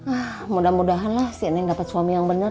oh mudah mudahan lah si enek dapat suami yang bener